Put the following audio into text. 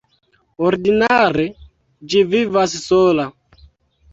Ordinare ĝi vivas sola.